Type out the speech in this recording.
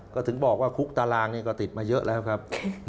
ก็ถึงบอกว่าคุกตารางนี่ก็ติดมาเยอะแล้วครับ